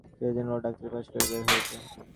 কিছুদিন হল ডাক্তারি পাস করে বের হয়েছে।